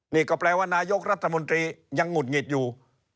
นี่ก็แปลว่านายกรัฐมนตรียังหุดหงิดอยู่